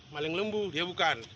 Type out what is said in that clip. maling lembu dia bukan